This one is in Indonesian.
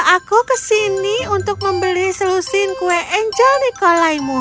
aku ke sini untuk membeli selusin kue angel nikolaimu